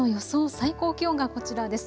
最高気温がこちらです。